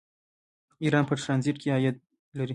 ایران په ټرانزیټ کې عاید لري.